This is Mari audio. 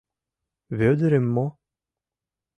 — Вӧдырым мо?